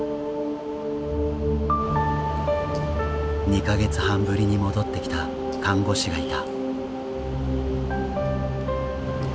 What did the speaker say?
２か月半ぶりに戻ってきた看護師がいた。